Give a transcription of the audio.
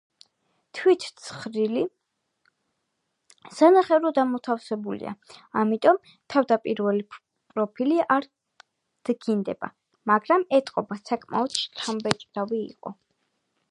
თვით თხრილი სანახევროდ ამოვსებულია, ამიტომ თავდაპირველი პროფილი არ დგინდება, მაგრამ ეტყობა საკმაოდ შთამბეჭდავი იყო.